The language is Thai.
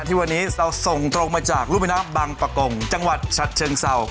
ที่วันนี้เราส่งตรงจากลูกมีน้ำบังปกลงจังหวัดชัตเชิงเศร้า